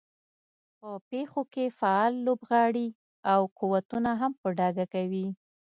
په پېښو کې فعال لوبغاړي او قوتونه هم په ډاګه کوي.